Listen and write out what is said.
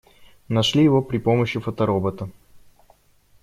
Нашли его при помощи фоторобота.